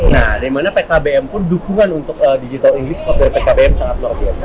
nah dimana pkbm pun dukungan untuk digital ini seperti pkbm sangat luar biasa